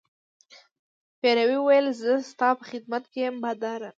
پیري وویل زه ستا په خدمت کې یم باداره.